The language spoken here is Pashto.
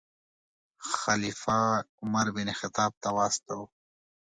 خلیفه عمر بن خطاب ته واستاوه.